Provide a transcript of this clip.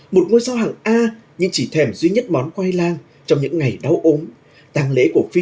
một ngôi sao hàng a nhưng chỉ thèm duy nhất món quay lang trong những ngày đau ốm tàng lễ cổ phi